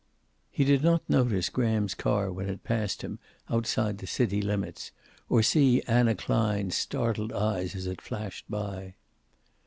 He did not notice Graham's car when it passed him, outside the city limits, or see Anna Klein's startled eyes as it flashed by.